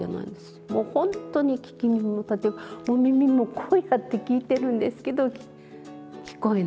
もう本当に聞き耳を立てもう耳もこうやって聞いてるんですけど聞こえない。